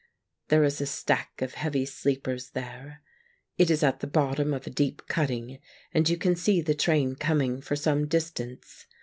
There is a stack of heavy sleepers there. It is at the bottom of a deep cutting, and you can see the train coming for some distance.